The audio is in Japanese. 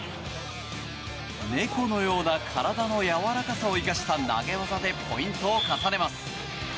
猫のような体のやわらかさを生かした投げ技でポイントを重ねます。